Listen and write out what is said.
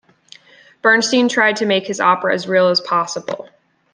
Bernstein tried to make his opera as real as possible.